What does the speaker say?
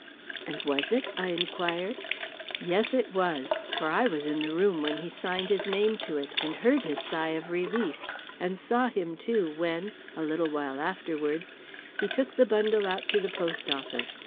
"And was it?" I inquired. "Yes, it was; for I was in the room when he signed his name to it, and heard his sigh of relief, and saw him, too, when, a little while afterwards, he took the bundle out to the post office.